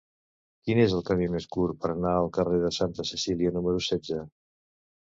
Quin és el camí més curt per anar al carrer de Santa Cecília número setze?